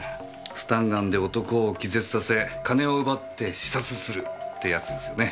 スタンガンで男を気絶させ金を奪って刺殺するってやつですよね？